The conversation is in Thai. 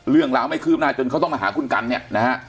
เรื่องราวไม่คืบหน้าจนเขาต้องมาหาคุณกันเนี่ยนะฮะ